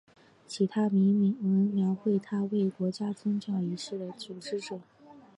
其他铭文描绘他为国家宗教仪式的组织者。